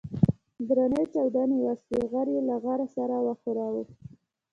درنې چاودنې وسوې غر يې له غره سره وښوراوه.